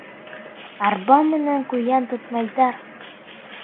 Арба менән ҡуян тотмайҙар.